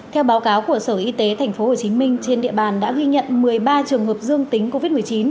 theo báo cáo của sở y tế tp hcm trên địa bàn đã ghi nhận một mươi ba trường hợp dương tính covid một mươi chín